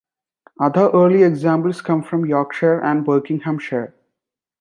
Other early examples come from Yorkshire and Buckinghamshire.